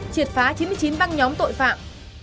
triệt phá chín mươi chín văn nhóm tội phạm